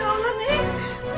ya allah nek